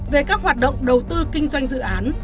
về các hoạt động đầu tư kinh doanh dự án